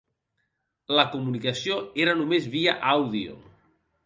La comunicació era només via àudio.